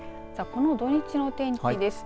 この土日の天気です。